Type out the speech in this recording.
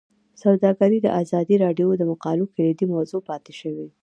سوداګري د ازادي راډیو د مقالو کلیدي موضوع پاتې شوی.